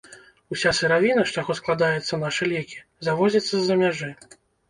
Уся сыравіна, з чаго складаецца нашы лекі, завозіцца з-за мяжы.